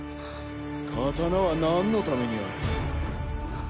刀はなんのためにある？